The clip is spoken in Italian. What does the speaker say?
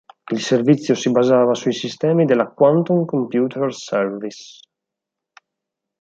Il servizio si basava sui sistemi della Quantum Computer Service.